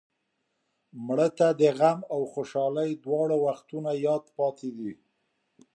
مړه ته د غم او خوشحالۍ دواړو وختونو یاد پاتې دی